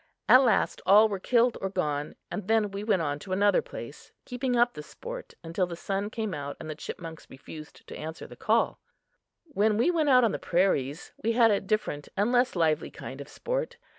At last all were killed or gone, and then we went on to another place, keeping up the sport until the sun came out and the chipmunks refused to answer the call. When we went out on the prairies we had a different and less lively kind of sport.